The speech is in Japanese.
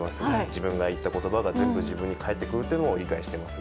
自分が言ったことばが全部、自分に返ってくるっていうのも理解してます。